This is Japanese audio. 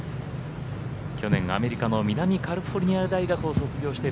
去年、アメリカの南カリフォルニア大学を卒業して